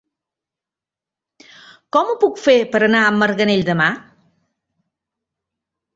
Com ho puc fer per anar a Marganell demà?